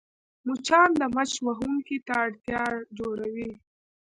مچان د مچ وهونکي ته اړتیا جوړوي